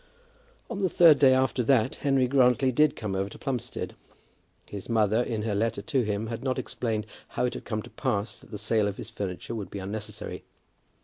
On the third day after that Henry Grantly did come over to Plumstead. His mother in her letter to him had not explained how it had come to pass that the sale of his furniture would be unnecessary.